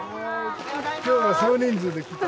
今日は少人数で来た？